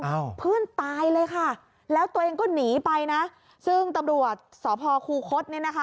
เพื่อนตายเลยค่ะแล้วตัวเองก็หนีไปนะซึ่งตำรวจสพคูคศเนี่ยนะคะ